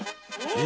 え！